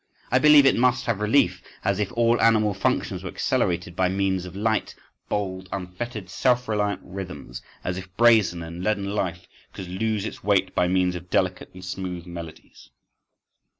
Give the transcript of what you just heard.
… I believe it must have relief: as if all animal functions were accelerated by means of light, bold, unfettered, self reliant rhythms, as if brazen and leaden life could lose its weight by means of delicate and smooth melodies.